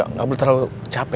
tidak boleh terlalu capek